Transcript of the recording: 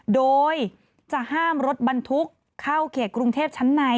โดยจะห้ามรถบรรทุกเข้าเขตกรุงเทพชั้นใน